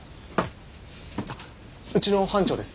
あっうちの班長です。